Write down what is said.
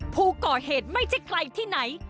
ผู้ก่อเหตุไม่ใช่ใครที่ไหน